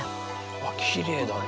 わっきれいだな。